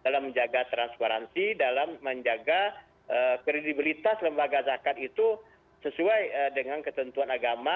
dalam menjaga transparansi dalam menjaga kredibilitas lembaga zakat itu sesuai dengan ketentuan agama